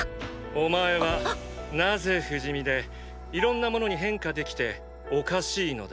お前はなぜ不死身でいろんな物に変化できておかしいのだ？